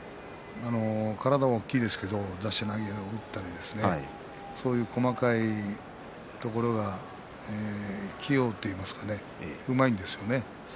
体は大きいですけど出し投げを打ったり細かいところが器用といいますか、うまいですよ。